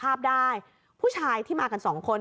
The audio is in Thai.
ภาพได้ผู้ชายที่มากันสองคน